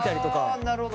あなるほど。